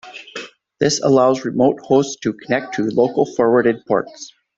This allows remote hosts to connect to local forwarded ports.